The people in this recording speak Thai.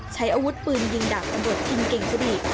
ใช้อาวุธปืนยิงดาบตำรวจชินเก่งสุริ